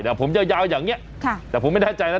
แต่ผมช่างนี้แต่ผมไม่ได้ใจนะ